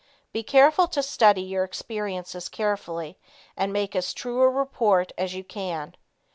Be careful to study your experiences carefully and make as true a report as you can.